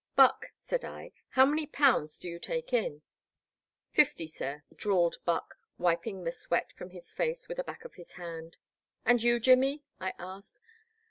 Buck," said I, "how many pounds do you take in?" " Fifty, sir," drawled Buck, wiping the sweat from his face with the back of his hand. '* And you, Jimmy ?" I asked.